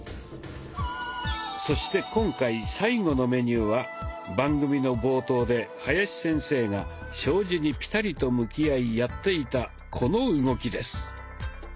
そして今回最後のメニューは番組の冒頭で林先生が障子にピタリと向き合いやっていたこの動きです。